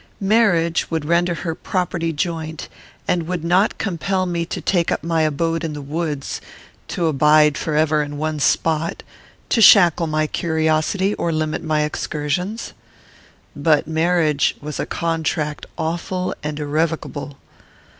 Marriage would render her property joint, and would not compel me to take up my abode in the woods, to abide forever in one spot, to shackle my curiosity, or limit my excursions. But marriage was a contract awful and irrevocable.